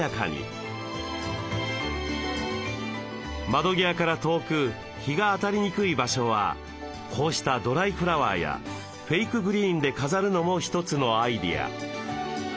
窓際から遠く日が当たりにくい場所はこうしたドライフラワーやフェイクグリーンで飾るのも一つのアイデア。